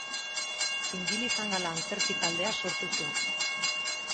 Zingili-Zangala Antzerki Taldea sortu zuen.